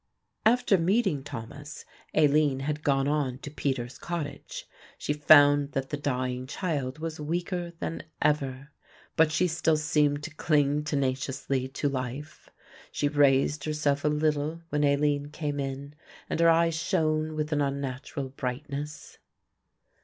After meeting Thomas, Aline had gone on to Peter's cottage. She found that the dying child was weaker than ever, but she still seemed to cling tenaciously to life. She raised herself a little when Aline came in and her eyes shone with an unnatural brightness.